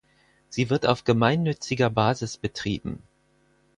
Sie wird auf gemeinnütziger Basis betrieben.